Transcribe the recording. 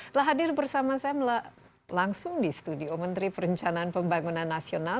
telah hadir bersama saya langsung di studio menteri perencanaan pembangunan nasional